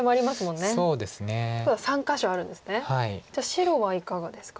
じゃあ白はいかがですか？